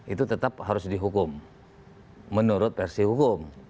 itu tetap harus dihukum menurut versi hukum